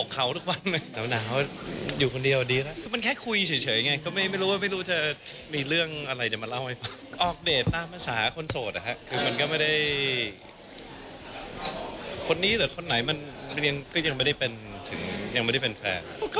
คนนี้หรือคนไหนมันก็ยังไม่ได้เป็นแฟน